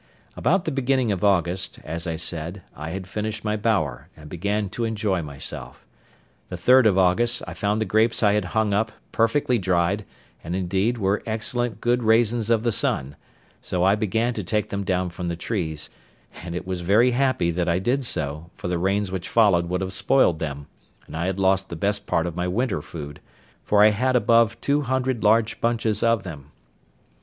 About the beginning of August, as I said, I had finished my bower, and began to enjoy myself. The 3rd of August, I found the grapes I had hung up perfectly dried, and, indeed, were excellent good raisins of the sun; so I began to take them down from the trees, and it was very happy that I did so, for the rains which followed would have spoiled them, and I had lost the best part of my winter food; for I had above two hundred large bunches of them.